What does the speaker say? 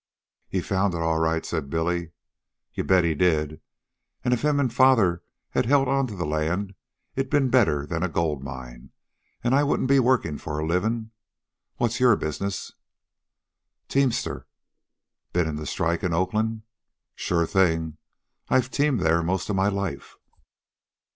"He found it all right," said Billy. "You bet he did. An' if him an' father 'd held onto the land it'd been better than a gold mine, an' I wouldn't be workin' for a livin'. What's your business?" "Teamster." "Ben in the strike in Oakland?" "Sure thing. I've teamed there most of my life."